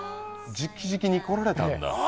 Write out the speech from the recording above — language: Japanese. じきじきに来られたんだああ